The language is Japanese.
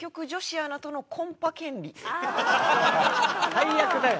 最悪だよ。